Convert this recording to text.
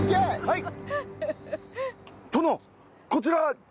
はい！